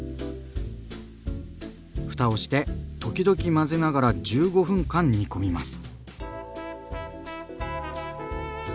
ふたをして時々混ぜながら１５分間煮込みます。